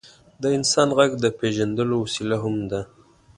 د انسان ږغ د پېژندلو وسیله هم ده.